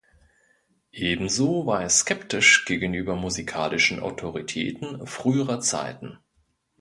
Ebenso war er skeptisch gegenüber musikalischen Autoritäten früherer Zeiten.